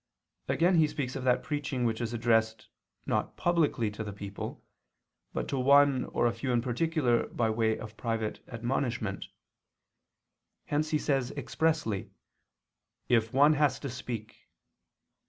Again he speaks of that preaching which is addressed, not publicly to the people, but to one or a few in particular by way of private admonishment. Hence he says expressly: "If one has to speak."